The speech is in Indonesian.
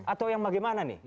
atau yang bagaimana nih